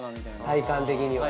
体感的にはね。